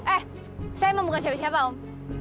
eh saya emang bukan siapa siapa om